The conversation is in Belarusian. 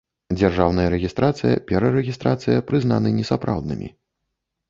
Дзяржаўная рэгiстрацыя, перарэгiстрацыя прызнаны несапраўднымi.